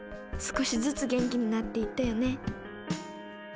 少しずつ元気になっていったよね。